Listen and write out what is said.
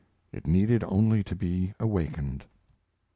It needed only to be awakened.